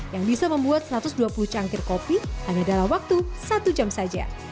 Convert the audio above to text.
yang bisa membuat satu ratus dua puluh cangkir kopi hanya dalam waktu satu jam saja